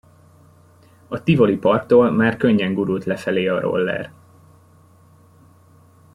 A Tivoli parktól már könnyen gurult lefelé a roller.